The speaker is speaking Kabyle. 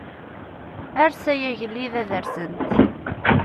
Ers ay agellid ad rsent.